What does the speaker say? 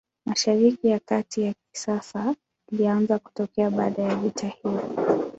Mashariki ya Kati ya kisasa ilianza kutokea baada ya vita hiyo.